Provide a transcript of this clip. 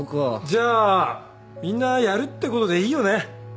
じゃあみんなやるってことでいいよね？